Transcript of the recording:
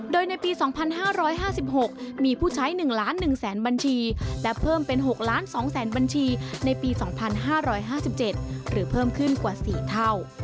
โดยในปี๒๕๕๖มีผู้ใช้๑ล้าน๑แสนบัญชีและเพิ่มเป็น๖ล้าน๒แสนบัญชีในปี๒๕๕๗หรือเพิ่มขึ้นกว่า๔เท่า